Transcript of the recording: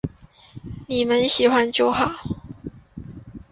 妳们喜欢就好